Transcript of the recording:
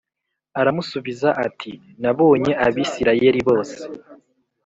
Aramusubiza ati Nabonye Abisirayeli bose